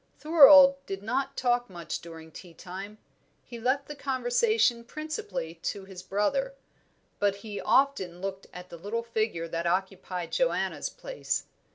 Thorold did not talk much during tea time he left the conversation principally to his brother; but he often looked at the little figure that occupied Joanna's place.